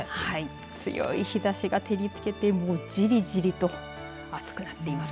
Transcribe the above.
強い日ざしが照りつけてじりじりと暑くなっています。